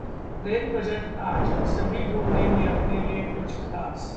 rail budget आज, सभी ढूंढ़ेगे अपने लिए कुछ खास